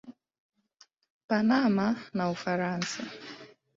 Panama na Ufaransa.